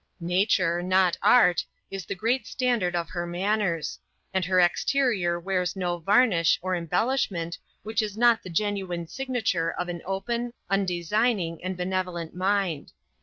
Nature, not art, is the great standard of her manners; and her exterior wears no varnish, or embellishment, which is not the genuine signature of an open, undesigning, and benevolent mind.